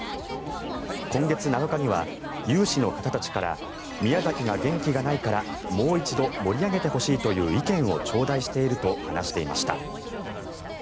今月７日には、有志の方たちから宮崎が元気がないからもう一度盛り上げてほしいという意見をちょうだいしているという話をしていました。